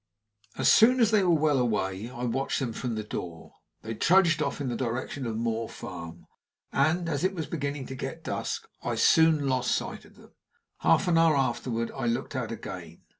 As soon as they were well away, I watched them from the door. They trudged off in the direction of Moor Farm; and, as it was beginning to get dusk, I soon lost sight of them. Half an hour afterward I looked out again.